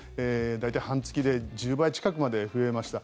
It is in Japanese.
大体、半月で１０倍近くまで増えました。